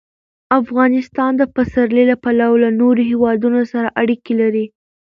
افغانستان د پسرلی له پلوه له نورو هېوادونو سره اړیکې لري.